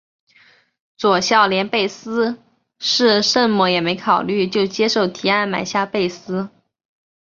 佐孝连贝斯是甚么也没考虑就接受提案买下贝斯。